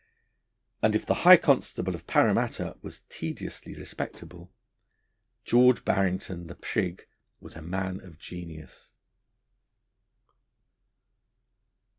And, if the High Constable of Paramatta was tediously respectable, George Barrington, the Prig, was a man of genius.